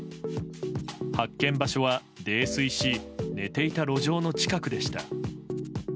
発見場所は泥酔し寝ていた路上の近くでした。